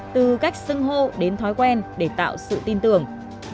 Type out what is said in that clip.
từ cách sưng hô đến thói quen để tạo sự tin tưởng